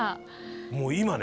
もう今ね